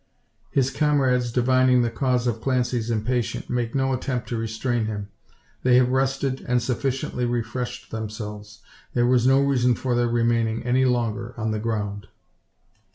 His comrades, divining the cause of Clancy's impatience, make no attempt to restrain him. They have rested and sufficiently refreshed themselves. There is no reason for their remaining any longer on the ground.